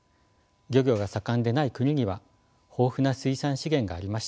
漁業が盛んでない国には豊富な水産資源がありました。